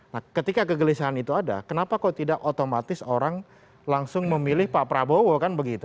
nah ketika kegelisahan itu ada kenapa kok tidak otomatis orang langsung memilih pak prabowo kan begitu